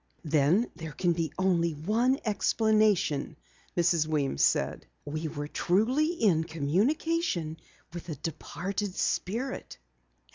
"Then there can be only one explanation," Mrs. Weems said. "We were truly in communication with a departed spirit."